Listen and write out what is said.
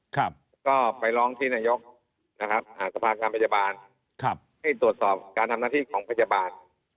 ก็ไปร้องที่นายกสภาคัมพยาบาลให้ตรวจสอบการทำหน้าที่ของพยาบาล